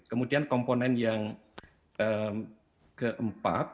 kemudian komponen yang keempat